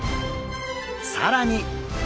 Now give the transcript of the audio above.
更に！